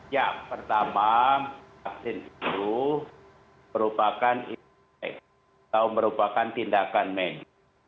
ya pertama vaksin itu merupakan impact atau merupakan tindakan medis